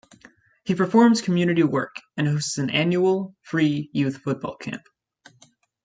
He performs community work and hosts an annual free youth football camp.